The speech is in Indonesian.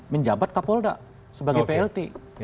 menjabat kapolda sebagai plt